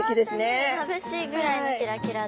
まぶしいぐらいのキラキラで。